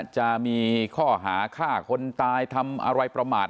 จะมีข้อหาฆ่าคนตายทำอะไรประมาท